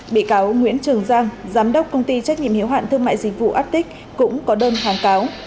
bị cáo nguyễn trường giang giám đốc công ty trách nhiệm hiếu hạn thương mại dịch vụ attic cũng có đơn kháng cáo